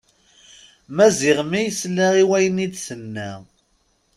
Maziɣ mi yesla i wayen d-tenna.